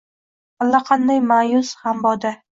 Allaqanday ma’yus, g‘amboda.